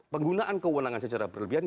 penggunaan kewenangan secara berlebihan